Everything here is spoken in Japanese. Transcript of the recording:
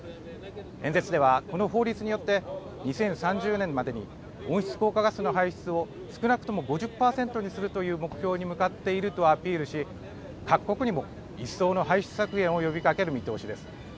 演説では、この法律によって２０３０年までに温室効果ガスの排出を少なくとも５０％にするという目標に向かっているとアピールし各国にも一層の排出削減を呼びかける見通しです。